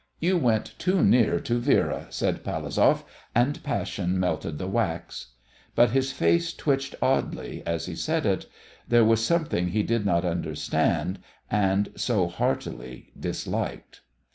"You went too near to Vera," said Palazov, "and passion melted the wax." But his face twitched oddly as he said it. There was something he did not understand, and so heartily disliked.